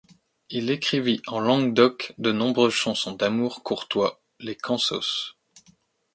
Il écrivit en langue d'oc de nombreuses chansons d'amour courtois, les cansos.